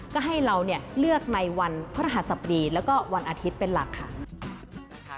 ก็ให้เราเลือกในวันพระหัสบดีแล้วก็วันอาทิตย์เป็นหลักค่ะ